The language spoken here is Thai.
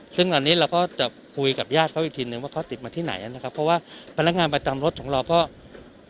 ซึ่งตอนนี้เราก็จะคุยกับญาติเขาอีกทีนึงว่าเขาติดมาที่ไหนนะครับเพราะว่าพนักงานประจำรถของเราก็